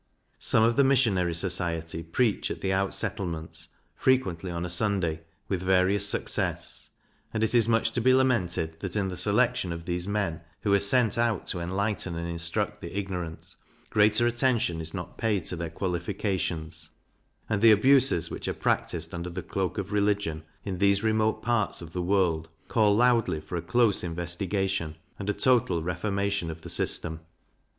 Some of the Missionary Society preach at the out settlements, frequently on a Sunday, with various success; and it is much to be lamented, that in the selection of these men, who are sent out to enlighten and instruct the ignorant, greater attention is not paid to their qualifications; and the abuses which are practised under the cloak of religion, in these remote parts of the world, call loudly for a close investigation, and a total reformation of the system.